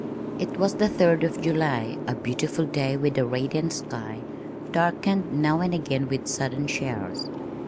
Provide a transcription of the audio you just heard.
It was the third of July, a beautiful day with a radiant sky, darkened now and again with sudden showers.